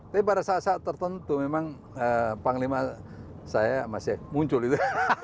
tapi pada saat saat tertentu memang panglima saya masih muncul itu